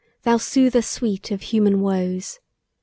thou soother sweet of human woes.